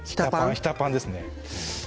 ひたパンですね